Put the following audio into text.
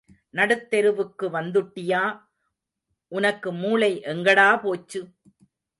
நடுத்தெருவுக்கு வந்துட்டியடா உனக்கு மூளை எங்கடா போச்சு.